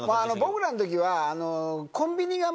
僕らの時は。